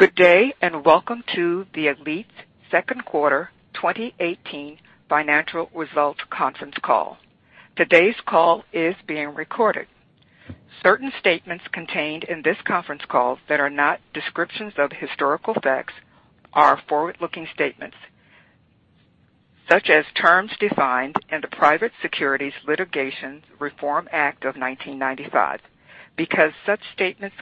Good day, welcome to the ALLETE's second quarter 2018 financial results conference call. Today's call is being recorded. Certain statements contained in this conference call that are not descriptions of historical facts are forward-looking statements, such as terms defined in the Private Securities Litigation Reform Act of 1995, because such statements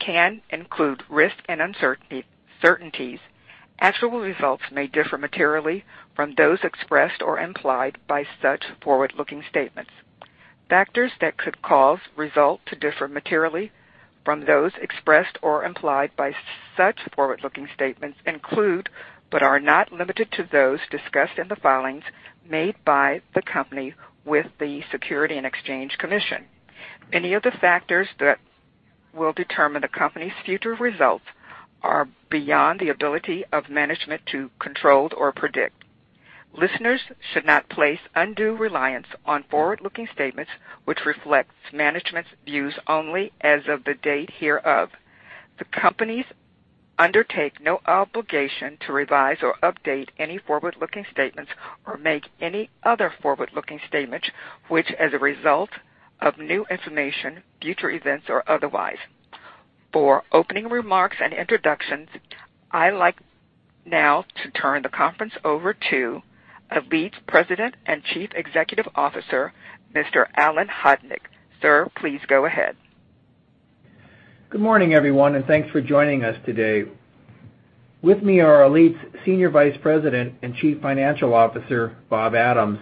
can include risks and uncertainties, actual results may differ materially from those expressed or implied by such forward-looking statements. Factors that could cause results to differ materially from those expressed or implied by such forward-looking statements include, but are not limited to those discussed in the filings made by the company with the Securities and Exchange Commission. Many of the factors that will determine the company's future results are beyond the ability of management to control or predict. Listeners should not place undue reliance on forward-looking statements, which reflects management's views only as of the date hereof. The companies undertake no obligation to revise or update any forward-looking statements or make any other forward-looking statements, which as a result of new information, future events, or otherwise. For opening remarks and introductions, I'd like now to turn the conference over to ALLETE's President and Chief Executive Officer, Mr. Alan Hodnik. Sir, please go ahead. Good morning, everyone, thanks for joining us today. With me are ALLETE's Senior Vice President and Chief Financial Officer, Bob Adams,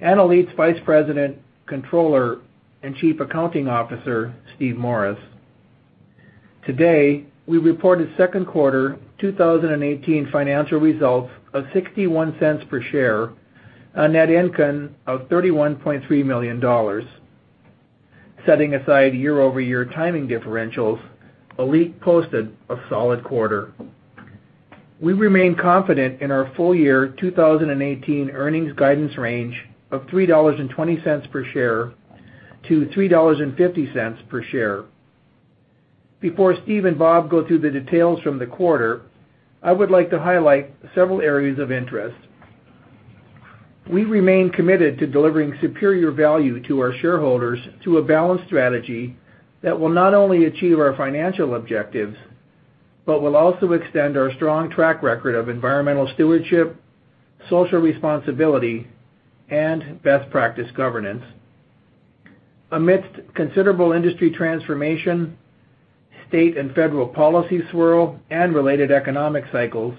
and ALLETE's Vice President, Controller, and Chief Accounting Officer, Steve Morris. Today, we reported second quarter 2018 financial results of $0.61 per share on net income of $31.3 million. Setting aside year-over-year timing differentials, ALLETE posted a solid quarter. We remain confident in our full-year 2018 earnings guidance range of $3.20 per share to $3.50 per share. Before Steve and Bob go through the details from the quarter, I would like to highlight several areas of interest. We remain committed to delivering superior value to our shareholders through a balanced strategy that will not only achieve our financial objectives, but will also extend our strong track record of environmental stewardship, social responsibility, and best practice governance. Amidst considerable industry transformation, state and federal policy swirl, related economic cycles,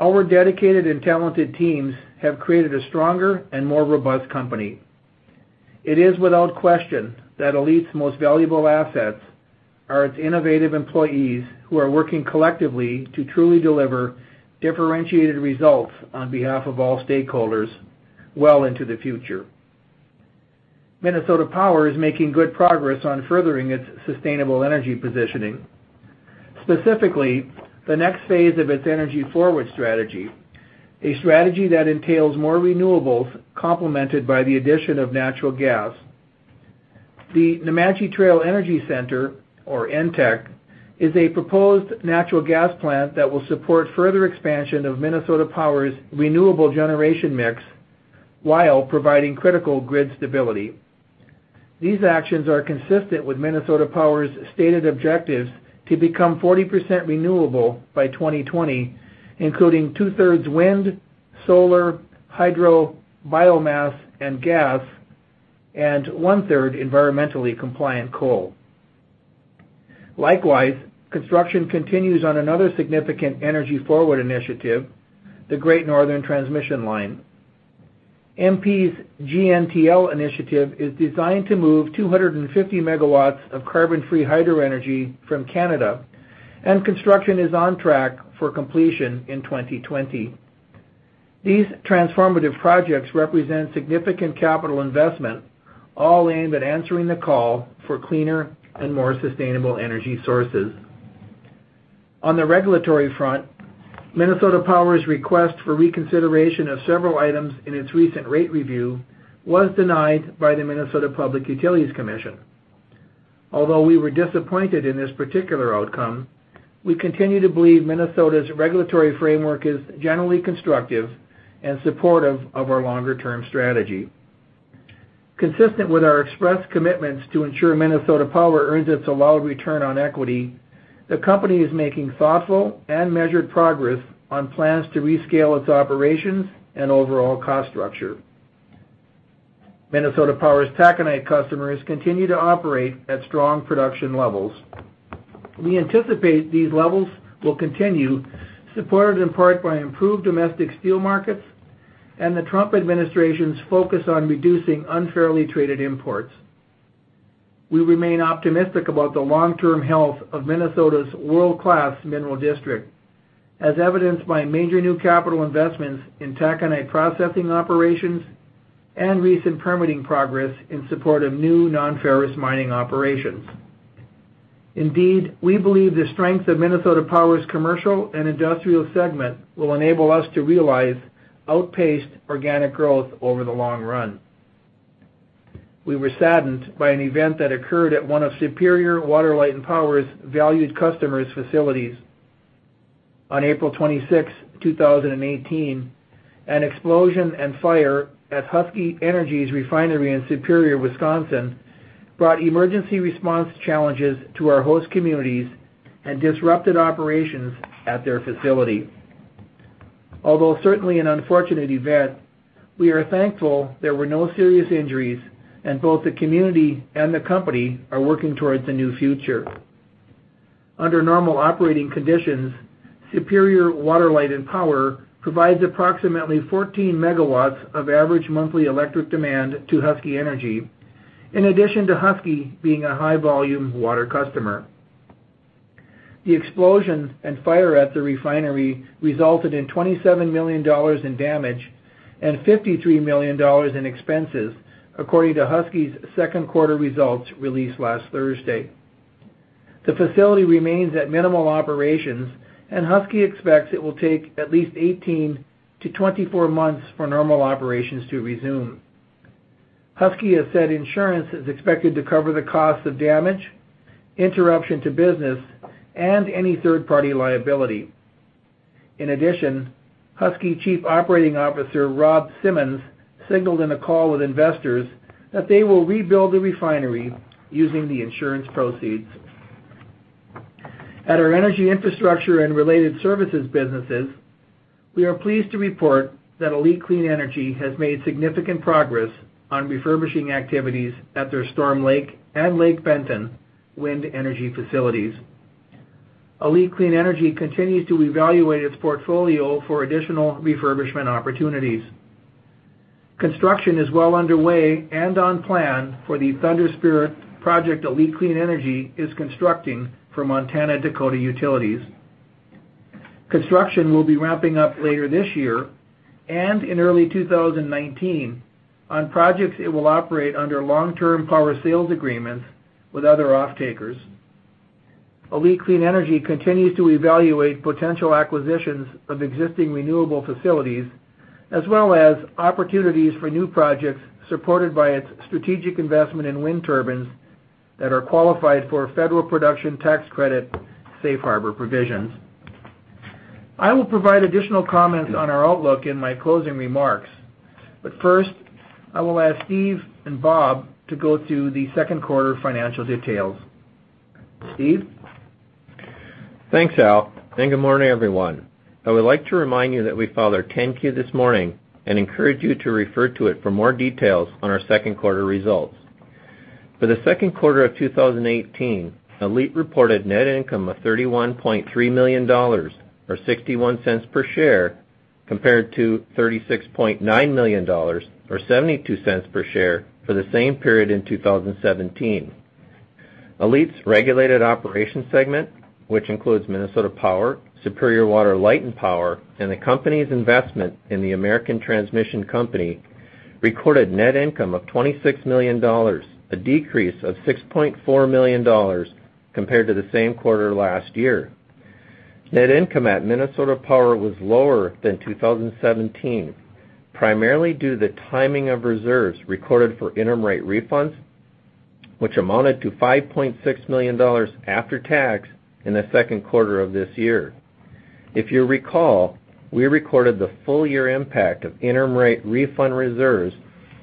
our dedicated and talented teams have created a stronger and more robust company. It is without question that ALLETE's most valuable assets are its innovative employees who are working collectively to truly deliver differentiated results on behalf of all stakeholders well into the future. Minnesota Power is making good progress on furthering its sustainable energy positioning, specifically the next phase of its EnergyForward strategy, a strategy that entails more renewables complemented by the addition of natural gas. The Nemadji Trail Energy Center, or NTEC, is a proposed natural gas plant that will support further expansion of Minnesota Power's renewable generation mix while providing critical grid stability. These actions are consistent with Minnesota Power's stated objectives to become 40% renewable by 2020, including two-thirds wind, solar, hydro, biomass, and gas, and one-third environmentally compliant coal. Likewise, construction continues on another significant EnergyForward initiative, the Great Northern Transmission Line. MP's GNTL initiative is designed to move 250 MW of carbon-free hydro energy from Canada, and construction is on track for completion in 2020. These transformative projects represent significant capital investment, all aimed at answering the call for cleaner and more sustainable energy sources. On the regulatory front, Minnesota Power's request for reconsideration of several items in its recent rate review was denied by the Minnesota Public Utilities Commission. Although we were disappointed in this particular outcome, we continue to believe Minnesota's regulatory framework is generally constructive and supportive of our longer-term strategy. Consistent with our expressed commitments to ensure Minnesota Power earns its allowed return on equity, the company is making thoughtful and measured progress on plans to rescale its operations and overall cost structure. Minnesota Power's taconite customers continue to operate at strong production levels. We anticipate these levels will continue, supported in part by improved domestic steel markets and the Trump administration's focus on reducing unfairly traded imports. We remain optimistic about the long-term health of Minnesota's world-class mineral district, as evidenced by major new capital investments in taconite processing operations and recent permitting progress in support of new non-ferrous mining operations. Indeed, we believe the strength of Minnesota Power's commercial and industrial segment will enable us to realize outpaced organic growth over the long run. We were saddened by an event that occurred at one of Superior Water, Light and Power's valued customers' facilities. On April 26th, 2018, an explosion and fire at Husky Energy's refinery in Superior, Wisconsin, brought emergency response challenges to our host communities and disrupted operations at their facility. Although certainly an unfortunate event, we are thankful there were no serious injuries, and both the community and the company are working towards a new future. Under normal operating conditions, Superior Water, Light and Power provides approximately 14 MW of average monthly electric demand to Husky Energy, in addition to Husky being a high-volume water customer. The explosion and fire at the refinery resulted in $27 million in damage and $53 million in expenses, according to Husky's second-quarter results released last Thursday. The facility remains at minimal operations, and Husky expects it will take at least 18-24 months for normal operations to resume. Husky has said insurance is expected to cover the cost of damage, interruption to business, and any third-party liability. In addition, Husky Chief Operating Officer Rob Symonds signaled in a call with investors that they will rebuild the refinery using the insurance proceeds. At our energy infrastructure and related services businesses, we are pleased to report that ALLETE Clean Energy has made significant progress on refurbishing activities at their Storm Lake and Lake Benton wind energy facilities. ALLETE Clean Energy continues to evaluate its portfolio for additional refurbishment opportunities. Construction is well underway and on plan for the Thunder Spirit project ALLETE Clean Energy is constructing for Montana-Dakota Utilities. Construction will be ramping up later this year and in early 2019 on projects it will operate under long-term power sales agreements with other offtakers. ALLETE Clean Energy continues to evaluate potential acquisitions of existing renewable facilities, as well as opportunities for new projects supported by its strategic investment in wind turbines that are qualified for federal production tax credit safe harbor provisions. I will provide additional comments on our outlook in my closing remarks. I will ask Steve and Bob to go through the second quarter financial details. Steve? Thanks, Al. Good morning, everyone. I would like to remind you that we filed our 10-Q this morning and encourage you to refer to it for more details on our second quarter results. For the second quarter of 2018, ALLETE reported net income of $31.3 million, or $0.61 per share, compared to $36.9 million or $0.72 per share for the same period in 2017. ALLETE's regulated operations segment, which includes Minnesota Power, Superior Water, Light and Power, and the company's investment in the American Transmission Company, recorded net income of $26 million, a decrease of $6.4 million compared to the same quarter last year. Net income at Minnesota Power was lower than 2017, primarily due to the timing of reserves recorded for interim rate refunds, which amounted to $5.6 million after tax in the second quarter of this year. If you recall, we recorded the full year impact of interim rate refund reserves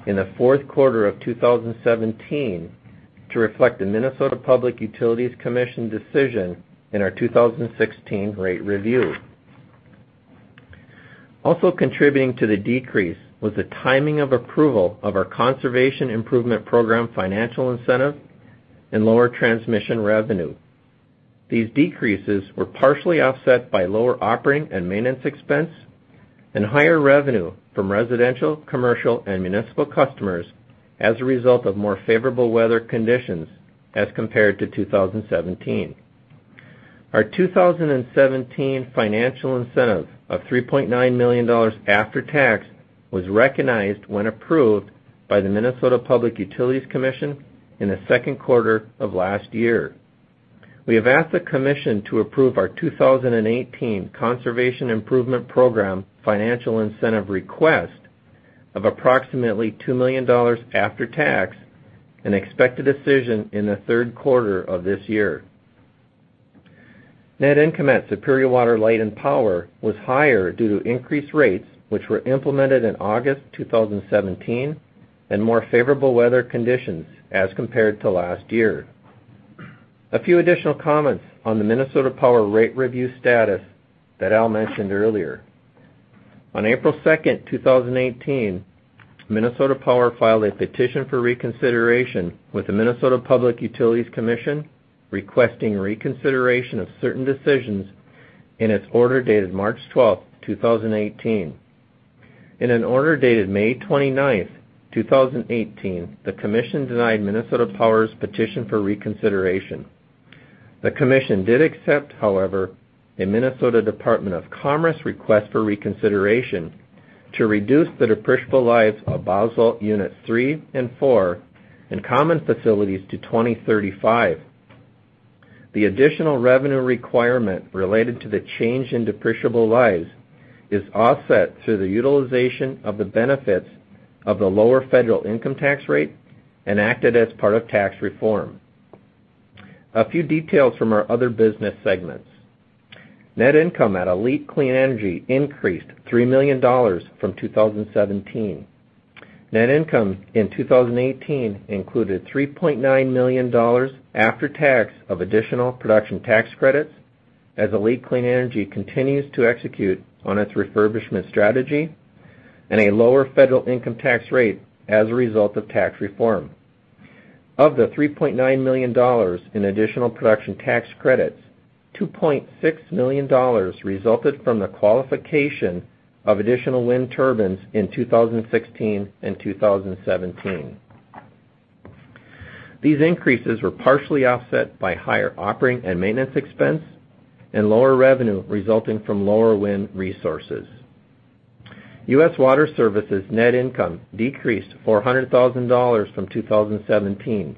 in the fourth quarter of 2017 to reflect the Minnesota Public Utilities Commission decision in our 2016 rate review. Also contributing to the decrease was the timing of approval of our Conservation Improvement Program financial incentive and lower transmission revenue. These decreases were partially offset by lower operating and maintenance expense and higher revenue from residential, commercial, and municipal customers as a result of more favorable weather conditions as compared to 2017. Our 2017 financial incentive of $3.9 million after tax was recognized when approved by the Minnesota Public Utilities Commission in the second quarter of last year. We have asked the commission to approve our 2018 Conservation Improvement Program financial incentive request of approximately $2 million after tax and expect a decision in the third quarter of this year. Net income at Superior Water, Light and Power was higher due to increased rates, which were implemented in August 2017, and more favorable weather conditions as compared to last year. A few additional comments on the Minnesota Power rate review status that Al mentioned earlier. On April 2nd, 2018, Minnesota Power filed a petition for reconsideration with the Minnesota Public Utilities Commission, requesting reconsideration of certain decisions in its order dated March 12th, 2018. In an order dated May 29th, 2018, the commission denied Minnesota Power's petition for reconsideration. The commission did accept, however, a Minnesota Department of Commerce request for reconsideration to reduce the depreciable life of Boswell Unit 3 and 4 and common facilities to 2035. The additional revenue requirement related to the change in depreciable lives is offset through the utilization of the benefits of the lower federal income tax rate enacted as part of tax reform. A few details from our other business segments. Net income at ALLETE Clean Energy increased $3 million from 2017. Net income in 2018 included $3.9 million after tax of additional production tax credits as ALLETE Clean Energy continues to execute on its refurbishment strategy and a lower federal income tax rate as a result of tax reform. Of the $3.9 million in additional production tax credits, $2.6 million resulted from the qualification of additional wind turbines in 2016 and 2017. These increases were partially offset by higher operating and maintenance expense and lower revenue resulting from lower wind resources. U.S. Water Services net income decreased $400,000 from 2017.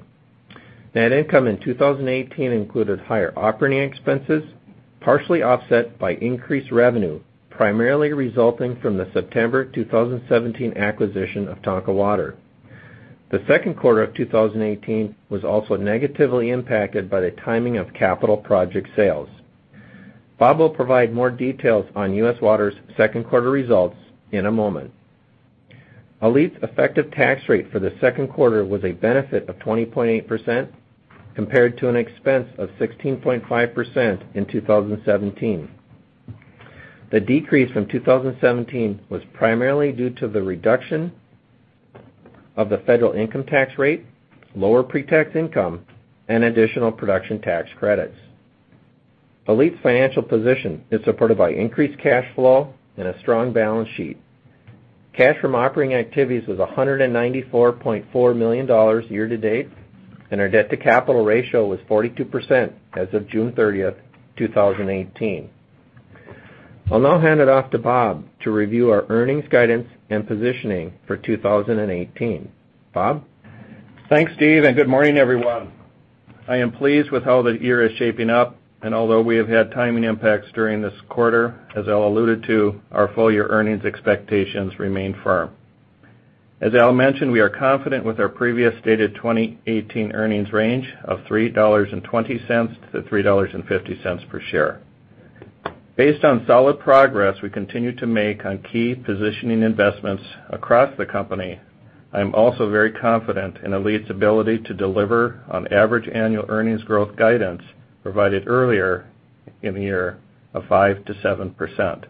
Net income in 2018 included higher operating expenses, partially offset by increased revenue, primarily resulting from the September 2017 acquisition of Tonka Water. The second quarter of 2018 was also negatively impacted by the timing of capital project sales. Bob will provide more details on U.S. Water's second quarter results in a moment. ALLETE's effective tax rate for the second quarter was a benefit of 20.8% compared to an expense of 16.5% in 2017. The decrease from 2017 was primarily due to the reduction of the federal income tax rate, lower pre-tax income, and additional production tax credits. ALLETE's financial position is supported by increased cash flow and a strong balance sheet. Cash from operating activities was $194.4 million year to date, and our debt to capital ratio was 42% as of June 30th, 2018. I'll now hand it off to Bob to review our earnings guidance and positioning for 2018. Bob? Thanks, Steve, and good morning, everyone. I am pleased with how the year is shaping up, and although we have had timing impacts during this quarter, as Al alluded to, our full-year earnings expectations remain firm. As Al mentioned, we are confident with our previous stated 2018 earnings range of $3.20-$3.50 per share. Based on solid progress we continue to make on key positioning investments across the company, I'm also very confident in ALLETE's ability to deliver on average annual earnings growth guidance provided earlier in the year of 5%-7%.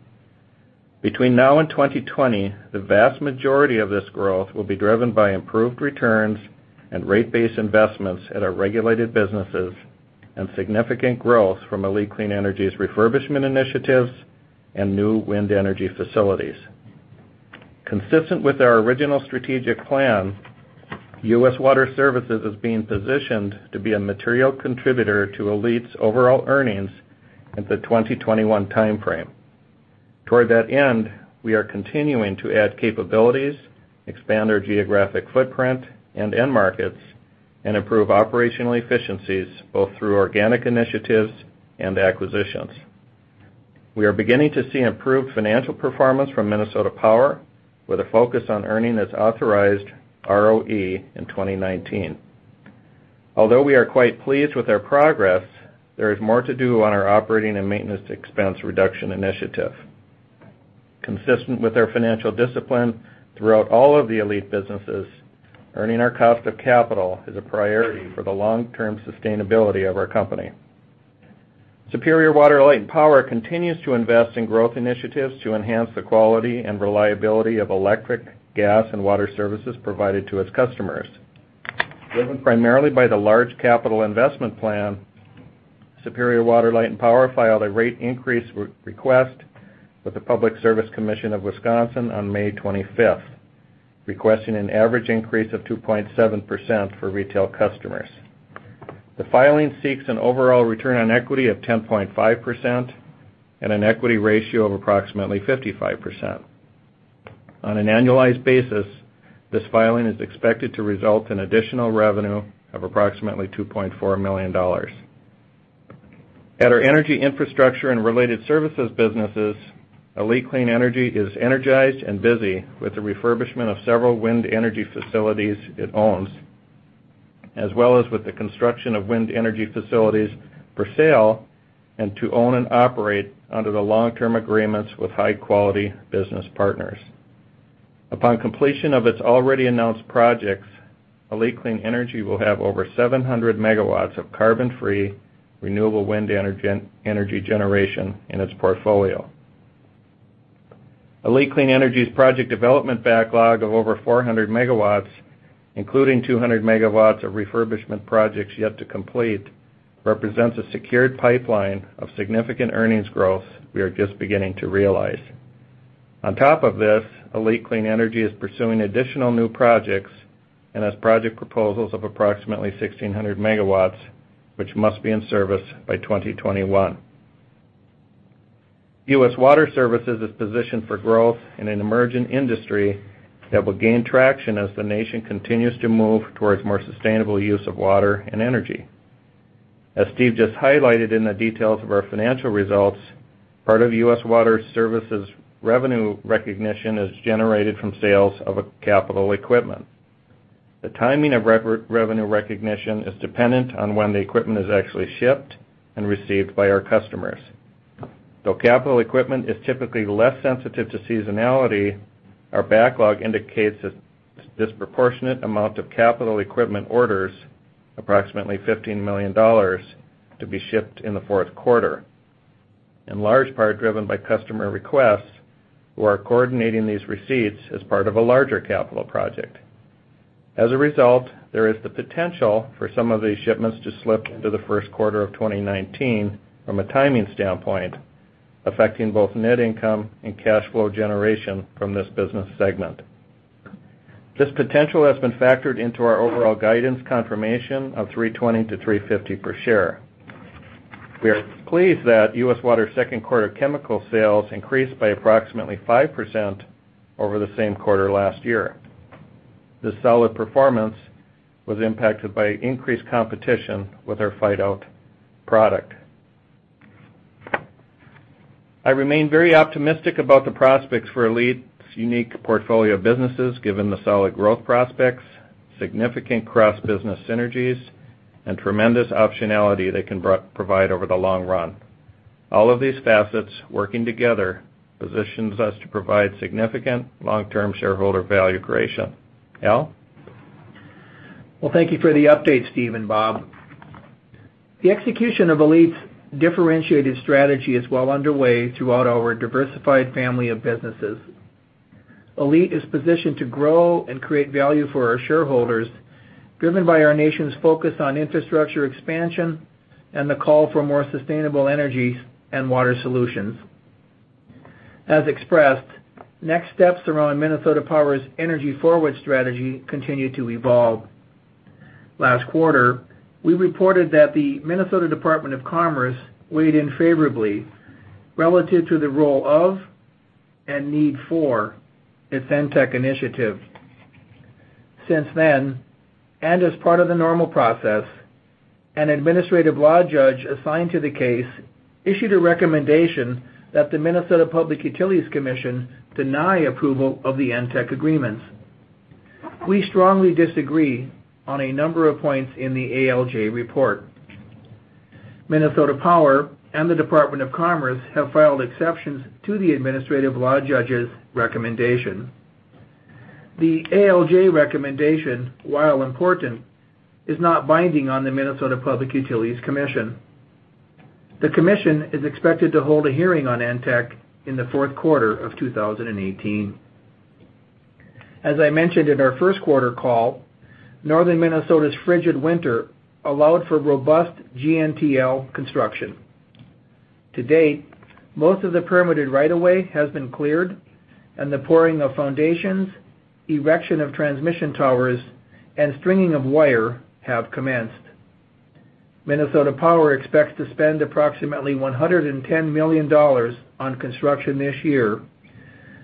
Between now and 2020, the vast majority of this growth will be driven by improved returns and rate-based investments at our regulated businesses and significant growth from ALLETE Clean Energy's refurbishment initiatives and new wind energy facilities. Consistent with our original strategic plan, U.S. Water Services is being positioned to be a material contributor to ALLETE's overall earnings in the 2021 timeframe. Toward that end, we are continuing to add capabilities, expand our geographic footprint and end markets, and improve operational efficiencies both through organic initiatives and acquisitions. We are beginning to see improved financial performance from Minnesota Power with a focus on earning its authorized ROE in 2019. Although we are quite pleased with our progress, there is more to do on our operating and maintenance expense reduction initiative. Consistent with our financial discipline throughout all of the ALLETE businesses, earning our cost of capital is a priority for the long-term sustainability of our company. Superior Water, Light, and Power continues to invest in growth initiatives to enhance the quality and reliability of electric, gas, and water services provided to its customers. Driven primarily by the large capital investment plan, Superior Water, Light and Power filed a rate increase request with the Public Service Commission of Wisconsin on May 25th, requesting an average increase of 2.7% for retail customers. The filing seeks an overall return on equity of 10.5% and an equity ratio of approximately 55%. On an annualized basis, this filing is expected to result in additional revenue of approximately $2.4 million. At our energy infrastructure and related services businesses, ALLETE Clean Energy is energized and busy with the refurbishment of several wind energy facilities it owns, as well as with the construction of wind energy facilities for sale and to own and operate under the long-term agreements with high-quality business partners. Upon completion of its already announced projects, ALLETE Clean Energy will have over 700 megawatts of carbon-free, renewable wind energy generation in its portfolio. ALLETE Clean Energy's project development backlog of over 400 megawatts, including 200 megawatts of refurbishment projects yet to complete, represents a secured pipeline of significant earnings growth we are just beginning to realize. ALLETE Clean Energy is pursuing additional new projects and has project proposals of approximately 1,600 megawatts, which must be in service by 2021. U.S. Water Services is positioned for growth in an emerging industry that will gain traction as the nation continues to move towards more sustainable use of water and energy. As Steve just highlighted in the details of our financial results, part of U.S. Water Services' revenue recognition is generated from sales of capital equipment. The timing of revenue recognition is dependent on when the equipment is actually shipped and received by our customers. Though capital equipment is typically less sensitive to seasonality, our backlog indicates a disproportionate amount of capital equipment orders, approximately $15 million, to be shipped in the fourth quarter, in large part driven by customer requests who are coordinating these receipts as part of a larger capital project. As a result, there is the potential for some of these shipments to slip into the first quarter of 2019 from a timing standpoint, affecting both net income and cash flow generation from this business segment. This potential has been factored into our overall guidance confirmation of $3.20 to $3.50 per share. We are pleased that U.S. Water's second quarter chemical sales increased by approximately 5% over the same quarter last year. This solid performance was impacted by increased competition with our pHytOUT product. I remain very optimistic about the prospects for ALLETE's unique portfolio of businesses given the solid growth prospects, significant cross-business synergies, and tremendous optionality they can provide over the long run. All of these facets working together positions us to provide significant long-term shareholder value creation. Al? Thank you for the update, Steve and Bob. The execution of ALLETE's differentiated strategy is well underway throughout our diversified family of businesses. ALLETE is positioned to grow and create value for our shareholders, driven by our nation's focus on infrastructure expansion and the call for more sustainable energy and water solutions. As expressed, next steps around Minnesota Power's EnergyForward strategy continue to evolve. Last quarter, we reported that the Minnesota Department of Commerce weighed in favorably relative to the role of and need for its NTEC initiative. Since then, as part of the normal process, an administrative law judge assigned to the case issued a recommendation that the Minnesota Public Utilities Commission deny approval of the NTEC agreements. We strongly disagree on a number of points in the ALJ report. Minnesota Power and the Department of Commerce have filed exceptions to the administrative law judge's recommendation. The ALJ recommendation, while important, is not binding on the Minnesota Public Utilities Commission. The commission is expected to hold a hearing on NTEC in the fourth quarter of 2018. As I mentioned in our first quarter call, northern Minnesota's frigid winter allowed for robust GNTL construction. To date, most of the permitted right of way has been cleared, and the pouring of foundations, erection of transmission towers, and stringing of wire have commenced. Minnesota Power expects to spend approximately $110 million on construction this year,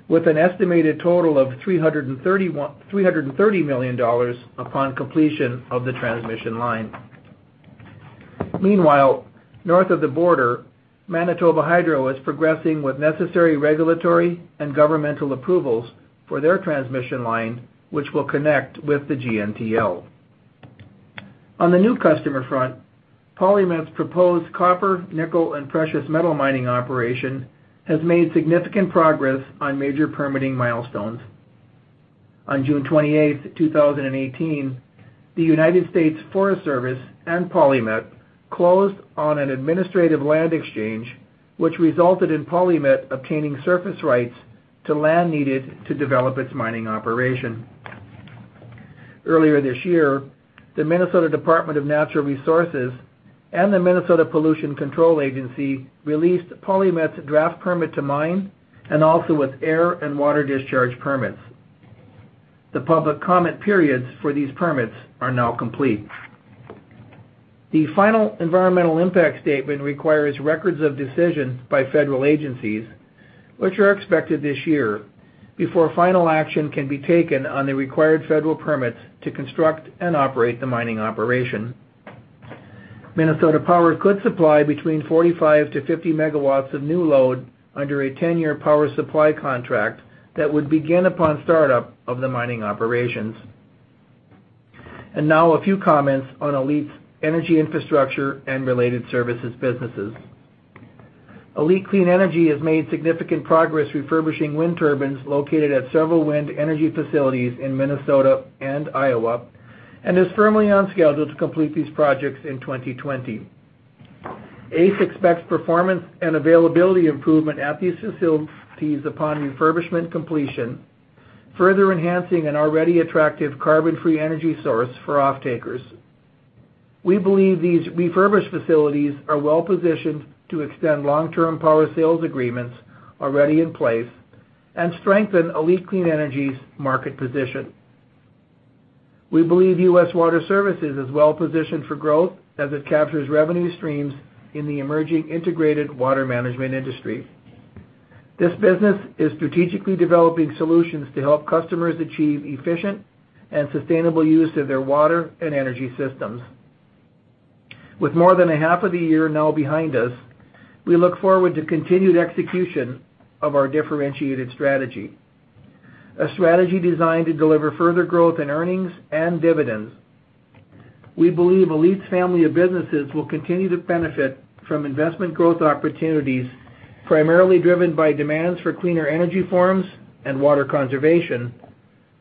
with an estimated total of $330 million upon completion of the transmission line. Meanwhile, north of the border, Manitoba Hydro is progressing with necessary regulatory and governmental approvals for their transmission line, which will connect with the GNTL. On the new customer front, PolyMet's proposed copper, nickel, and precious metal mining operation has made significant progress on major permitting milestones. On June 28th, 2018, the United States Forest Service and PolyMet closed on an administrative land exchange, which resulted in PolyMet obtaining surface rights to land needed to develop its mining operation. Earlier this year, the Minnesota Department of Natural Resources and the Minnesota Pollution Control Agency released PolyMet's draft permit to mine, and also its air and water discharge permits. The public comment periods for these permits are now complete. The final environmental impact statement requires records of decision by federal agencies, which are expected this year, before final action can be taken on the required federal permits to construct and operate the mining operation. Minnesota Power could supply between 45 to 50 megawatts of new load under a 10-year power supply contract that would begin upon startup of the mining operations. And now a few comments on ALLETE's energy infrastructure and related services businesses. ALLETE Clean Energy has made significant progress refurbishing wind turbines located at several wind energy facilities in Minnesota and Iowa, and is firmly on schedule to complete these projects in 2020. ACE expects performance and availability improvement at these facilities upon refurbishment completion, further enhancing an already attractive carbon-free energy source for offtakers. We believe these refurbished facilities are well-positioned to extend long-term power sales agreements already in place and strengthen ALLETE Clean Energy's market position. We believe U.S. Water Services is well-positioned for growth as it captures revenue streams in the emerging integrated water management industry. This business is strategically developing solutions to help customers achieve efficient and sustainable use of their water and energy systems. With more than a half of the year now behind us, we look forward to continued execution of our differentiated strategy, a strategy designed to deliver further growth in earnings and dividends. We believe ALLETE's family of businesses will continue to benefit from investment growth opportunities, primarily driven by demands for cleaner energy forms and water conservation,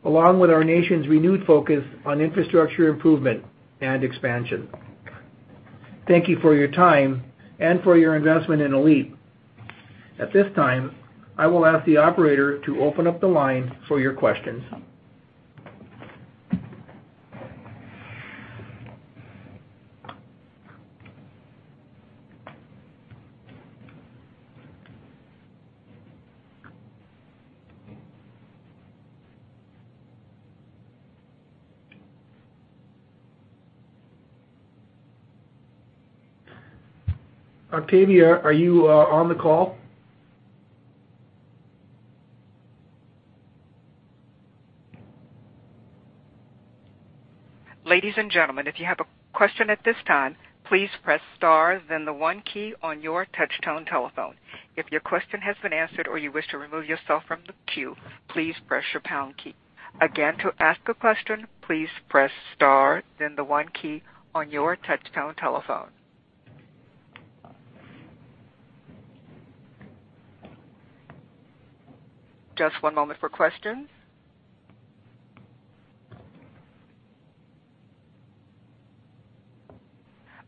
along with our nation's renewed focus on infrastructure improvement and expansion. Thank you for your time and for your investment in ALLETE. At this time, I will ask the operator to open up the line for your questions. Octavia, are you on the call? Ladies and gentlemen, if you have a question at this time, please press star then the one key on your touch tone telephone. If your question has been answered or you wish to remove yourself from the queue, please press your pound key. Again, to ask a question, please press star then the one key on your touch tone telephone. Just one moment for questions.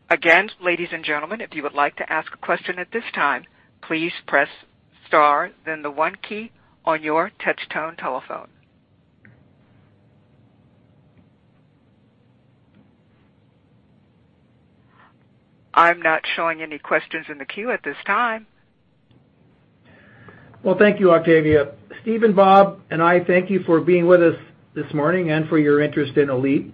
Again, ladies and gentlemen, if you would like to ask a question at this time, please press star then the one key on your touch tone telephone. I'm not showing any questions in the queue at this time. Well, thank you, Octavia. Steve and Bob and I thank you for being with us this morning and for your interest in ALLETE.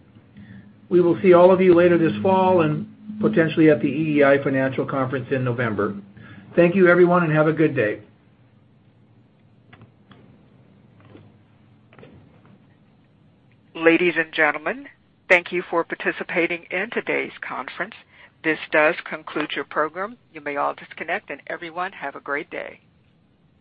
We will see all of you later this fall and potentially at the EEI Financial Conference in November. Thank you, everyone, have a good day. Ladies and gentlemen, thank you for participating in today's conference. This does conclude your program. You may all disconnect, everyone have a great day.